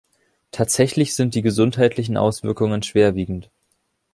Tatsächlich sind die gesundheitlichen Auswirkungen schwerwiegend.